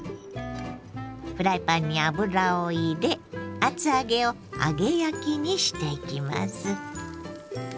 フライパンに油を入れ厚揚げを揚げ焼きにしていきます。